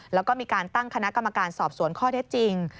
แล้วก็มีการตั้งคณะกรรมการสอบสวนข้อเท็จจริง